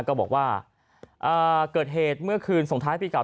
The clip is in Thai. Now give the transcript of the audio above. ก็บอกว่าเกิดเหตุเมื่อคืนส่งท้ายปีเก่า